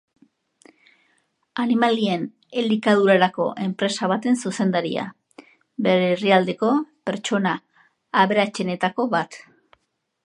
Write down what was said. Animalien elikadurarako enpresa baten zuzendaria, bere herrialdeko pertsona aberatsenetako bat.